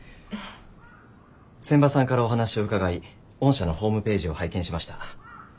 仙波さんからお話を伺い御社のホームページを拝見しました。